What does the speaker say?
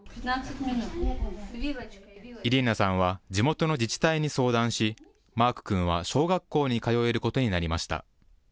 イリーナさんは地元の自治体に相談し、マーク君は小学校に通えることになりました。